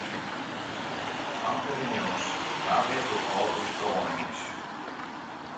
Famkes en jonges, wa wit hoe âld as ús koaning is?